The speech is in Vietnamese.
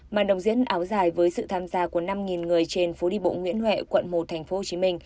màn đồng diễn áo dài với sự tham gia của năm người trên phố đi bộ nguyễn huệ quận một tp hcm